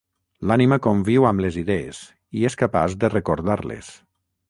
L'ànima conviu amb les idees, i és capaç de recordar-les.